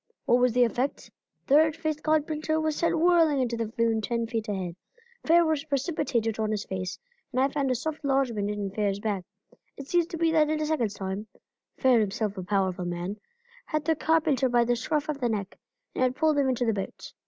What was the effect? The red faced carpenter was sent whirling into the flume ten feet ahead. Fair was precipitated on his face, and I found a soft lodgment on Fair's back. It seems to me that in a second's time Fair himself a powerful man had the carpenter by the scruff of the neck, and had pulled him into the boat.